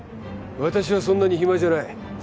私はそんなに暇じゃない。